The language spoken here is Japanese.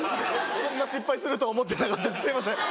こんな失敗するとは思ってなかったすいません。